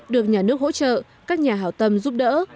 được nhà nước hỗ trợ các nhà hảo tâm giúp đỡ